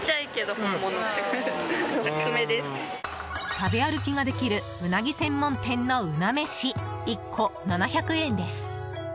食べ歩きができるうなぎ専門店のうな飯１個７００円です。